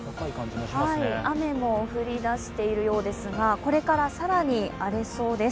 雨も降り出しているようですが、これから更に荒れそうです。